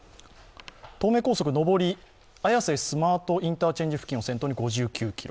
東名高速登り、綾瀬スマートインターチェンジ金を銭湯に３９ｋｍ